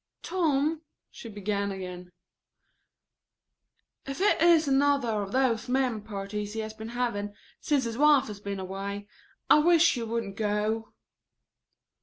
"Tom," she began again, "if it is another of those men parties he has been having since his wife has been away, I wish you wouldn't go."